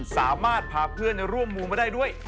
สามารถพาเพื่อนร่วมมูลมาได้ด้วย